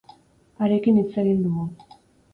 Harekin hitz egin dugu.